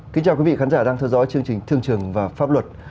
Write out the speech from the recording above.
kính chào quý vị khán giả đang theo dõi chương trình thương trường và pháp luật